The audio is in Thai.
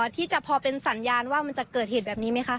ที่จะพอเป็นสัญญาณว่ามันจะเกิดเหตุแบบนี้ไหมคะ